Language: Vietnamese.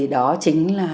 đó chính là